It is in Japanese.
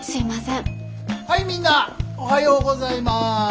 はいみんなおはようございます。